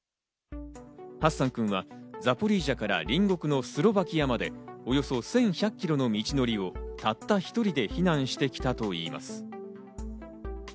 ハッサン君はザポリージャから隣国のスロバキアまでおよそ１１００キロの道程をたった１人で避難してきたといいます。